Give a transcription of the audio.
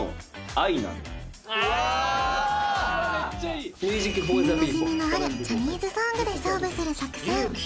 あメッチャいい耳なじみのあるジャニーズソングで勝負する作戦